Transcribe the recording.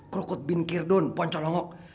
krukut bin kirdun poncolongok